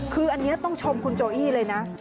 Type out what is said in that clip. คืออันนี้ต้องชมคุณโจอี้เลยนะ